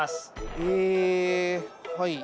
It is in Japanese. えはい。